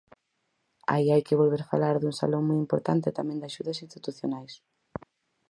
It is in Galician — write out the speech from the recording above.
Aí hai que volver falar dun salón moi importante e tamén de axudas institucionais.